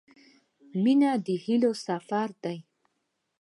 • مینه د هیلو سفر دی.